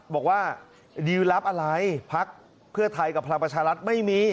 บอกว่าดิวรับอะไรพักเพื่อไทยกับพลังประชารัฐไม่มี